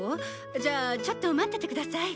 じゃあちょっと待っててください。